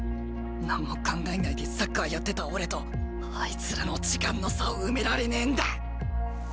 何も考えないでサッカーやってた俺とあいつらの時間の差を埋められねえんだ。